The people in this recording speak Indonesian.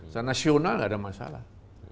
seasional gak ada masalah